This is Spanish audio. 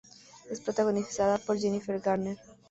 Es protagonizada por Jennifer Garner.